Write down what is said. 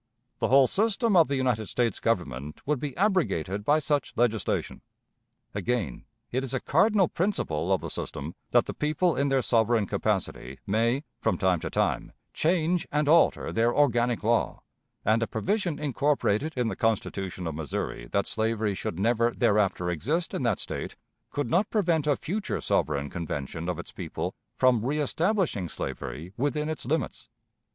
The whole system of the United States Government would be abrogated by such legislation. Again, it is a cardinal principle of the system that the people in their sovereign capacity may, from time to time, change and alter their organic law; and a provision incorporated in the Constitution of Missouri that slavery should never thereafter exist in that State could not prevent a future sovereign convention of its people from reestablishing slavery within its limits.